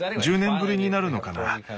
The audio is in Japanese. １０年ぶりになるのかな。